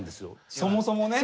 そもそもね。